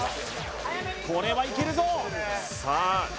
これはいけるぞさあ